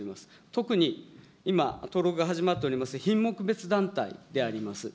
特に今、登録が始まっております品目別団体であります。